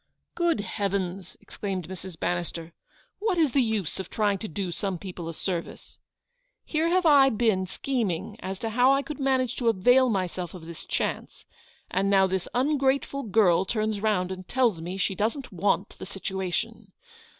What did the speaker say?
" Good Heavens !" exclaimed Mrs. Bannister, p 2 212 Eleanor's victory. " what is the use of trying to do some people a service ? Here have I been scheming as to how I could manage to avail myself of this chance, and now this ungrateful girl turns round and tells me she doesn't want the situation.